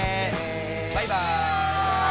バイバーイ！